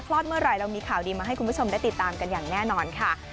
อดเมื่อไหร่เรามีข่าวดีมาให้คุณผู้ชมได้ติดตามกันอย่างแน่นอนค่ะ